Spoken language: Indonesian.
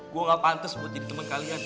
gue gak pantas buat jadi temen kalian